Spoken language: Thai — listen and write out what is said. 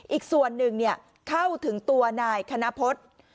อีกส่วนหนึ่งเข้าถึงตัวนายคณพฤษ